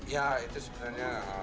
ya itu sebenarnya